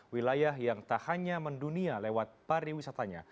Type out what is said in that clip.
wilayah yang tak hanya mendunia lewat pariwisatanya